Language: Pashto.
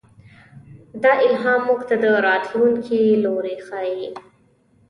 دا الهام موږ ته د راتلونکي لوری ښيي.